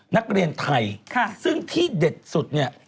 นักเรียนไทยซึ่งที่เด็ดสุดเนี่ย